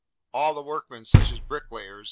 All the workmen, such as bricklayers, &c.